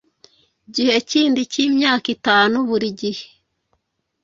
gihe cy indi myaka itanu buri gihe